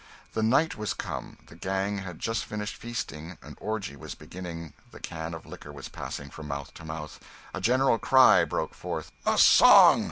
The night was come, the gang had just finished feasting, an orgy was beginning; the can of liquor was passing from mouth to mouth. A general cry broke forth "A song!